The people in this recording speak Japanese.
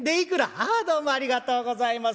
「ああどうもありがとうございます。